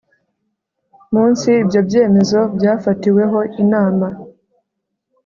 munsi ibyo byemezo byafatiweho Inama